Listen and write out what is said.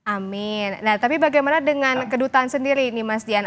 amin nah tapi bagaimana dengan kedutaan sendiri ini mas dian